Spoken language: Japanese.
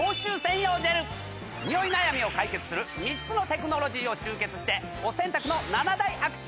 ニオイ悩みを解決する３つのテクノロジーを集結してお洗濯の。